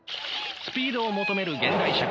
スピードを求める現代社会。